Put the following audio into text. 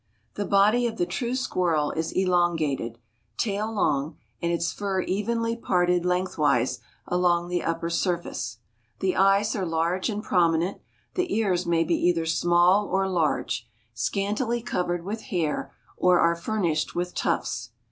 The body of the true squirrel is elongated, tail long, and its fur evenly parted lengthwise along the upper surface. The eyes are large and prominent, the ears may be either small or large, scantily covered with hair or are furnished with tufts.